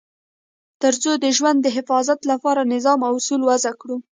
تر څو د ژوند د حفاظت لپاره نظام او اصول وضع کړو.